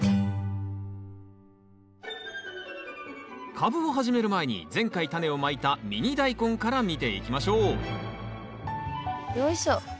カブを始める前に前回タネをまいたミニダイコンから見ていきましょうよいしょ。